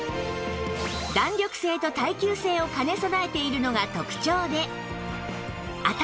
弾力性と耐久性を兼ね備えているのが特長で